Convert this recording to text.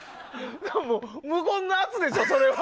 無言の圧でしょう、それは。